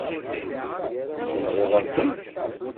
Tenɣiḍ-asent-t.